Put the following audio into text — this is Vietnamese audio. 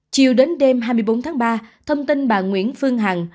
chiều đến đêm hai mươi bốn tháng ba thông tin bà nguyễn phương hằng